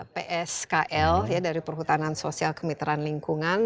pskl ya dari perhutanan sosial kemitraan lingkungan